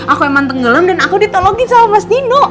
aku emang tenggelam dan aku ditolongin sama mas dino